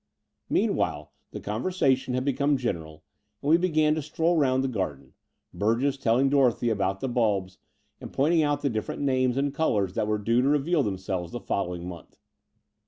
Meanwhile, the conversation had become gen eral; and we began to stroll roimd the garden, Burgess telling Dorothy about the bulbs and pointing out the different names and colours that were due to reveal themselves the following month.